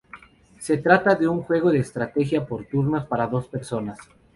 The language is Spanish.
Se trata de un juego de estrategia por turnos, para dos personas.